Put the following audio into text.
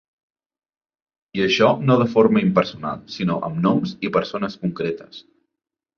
I això no de forma impersonal, sinó amb noms i persones concretes.